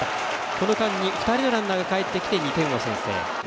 この間に２人のランナーがかえってきて２点を先制。